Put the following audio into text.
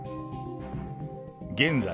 現在、